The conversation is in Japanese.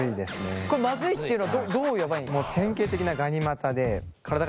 これマズいっていうのはどうやばいんですか？